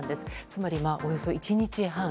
つまり、およそ１日半。